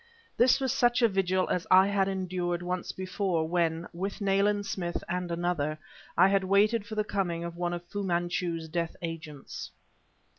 This was such a vigil as I had endured once before, when, with Nayland Smith and another, I had waited for the coming of one of Fu Manchu's death agents.